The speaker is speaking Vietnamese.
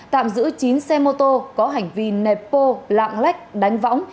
tạm giữ chín xe mô tô có hành vi nẹp bô lạng lách đánh võng